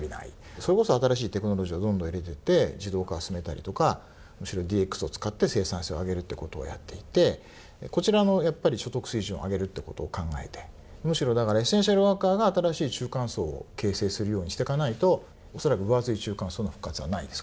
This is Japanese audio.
それこそ新しいテクノロジーをどんどん入れていって自動化を進めたりとかむしろＤＸを使って生産性を上げるってことをやっていて、こちらの所得水準を上げるってことを考えてむしろエッセンシャルワーカーが新しい中間層を形成するようにしていかないと恐らく分厚い中間層の復活はないです。